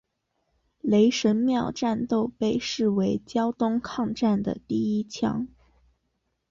雷神庙战斗被视为胶东抗战的第一枪。